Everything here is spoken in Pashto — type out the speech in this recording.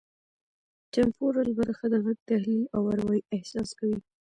ټمپورل برخه د غږ تحلیل او اروايي احساس کوي